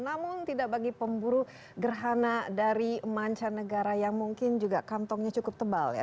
namun tidak bagi pemburu gerhana dari mancanegara yang mungkin juga kantongnya cukup tebal ya